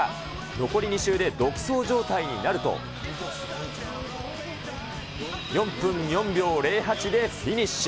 残り２周で独走状態になると、４分４秒０８でフィニッシュ。